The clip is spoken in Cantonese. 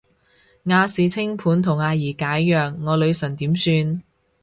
亞視清盤同阿儀解約，我女神點算